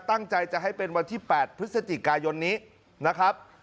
ตั้งใจจะให้เป็นวันที่๘พฤศจิกายนนี้นะครับ